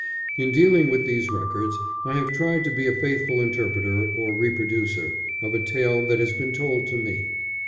In dealing with these records I have tried to be a faithful interpreter or reproducer of a tale that has been told to me.